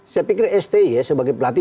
saya pikir stu sebagai pelatih